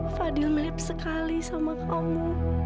fadil mirip sekali sama kamu